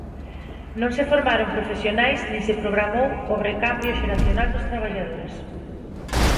Non se formaron profesionais nin se programou o recambio xeracional dos traballadores.